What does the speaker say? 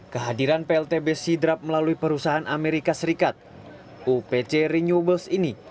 kehadiran pltb sidrap melalui perusahaan amerika serikat upc renewables ini